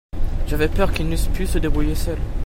J'avais peur qu'ils n'eussent pu se débrouiller seuls.